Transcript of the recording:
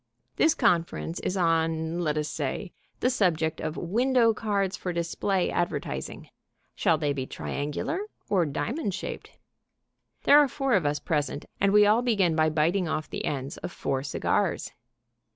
This conference is on, let us say, the subject of Window Cards for display advertising: shall they be triangular or diamond shaped? There are four of us present, and we all begin by biting off the ends of four cigars.